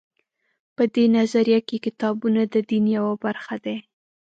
په دې نظریه کې کتابونه د دین یوه برخه دي.